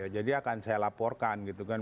jadi akan saya laporkan gitu kan